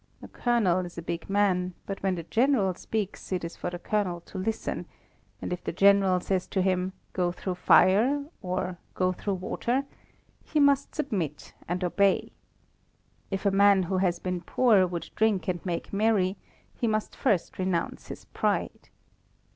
A colonel is a big man; but when the general speaks it is for the colonel to listen; and if the general says to him, 'Go through fire,' or, 'Go through water,' he must submit and obey. If a man who has been born poor would drink and make merry, he must first renounce his pride.